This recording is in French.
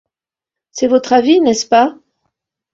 C'est votre avis, n'est-ce pas?